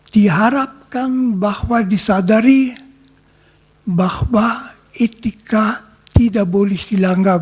diharapkan bahwa disadari bahwa etika tidak boleh hilang